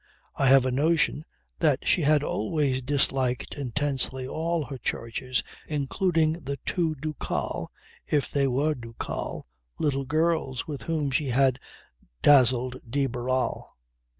I have a notion that she had always disliked intensely all her charges including the two ducal (if they were ducal) little girls with whom she had dazzled de Barral.